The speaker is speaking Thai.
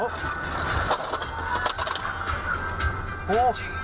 โอ้โห